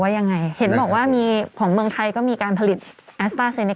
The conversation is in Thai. แต่ตอนนี้เห็นก็บอกทั้งแอสต้าทั้ง